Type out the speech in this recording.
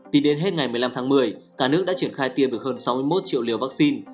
tính đến hết ngày một mươi năm tháng một mươi cả nước đã triển khai tiêm được hơn sáu mươi một triệu liều vaccine